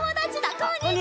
こんにちは。